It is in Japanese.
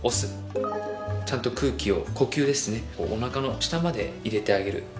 ちゃんと空気を呼吸ですねおなかの下まで入れてあげる。